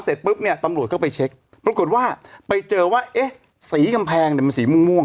เสร็จปุ๊บเนี่ยตำรวจก็ไปเช็คปรากฏว่าไปเจอว่าเอ๊ะสีกำแพงเนี่ยมันสีม่วง